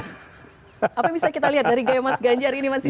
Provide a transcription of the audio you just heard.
apa yang bisa kita lihat dari gaya mas ganjar ini mas ya